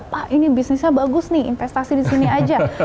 wah ini bisnisnya bagus nih investasi di sini aja